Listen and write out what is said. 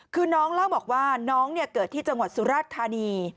คือน้องเล่าบอกว่าน้องเกิดที่จังหวัดสุราชธานี